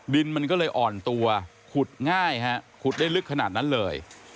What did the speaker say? ดินมันก็เลยอ่อนตัวขุดง่ายฮะขุดได้ลึกขนาดนั้นเลย